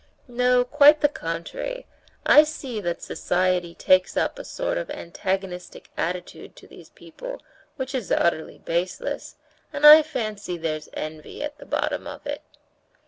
No, quite the contrary; I see that society takes up a sort of antagonistic attitude to these people, which is utterly baseless, and I fancy there's envy at the bottom of it...."